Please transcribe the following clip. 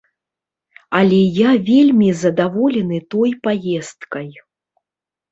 Але я вельмі задаволены той паездкай.